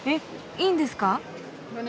いいんですか？